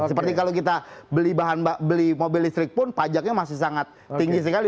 seperti kalau kita beli mobil listrik pun pajaknya masih sangat tinggi sekali